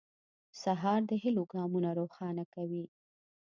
سهار د هيلو ګامونه روښانه کوي.